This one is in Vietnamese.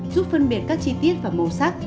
giúp phân biệt các chi tiết và màu sắc